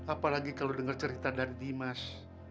apalagi kalau dengar cerita dari dimas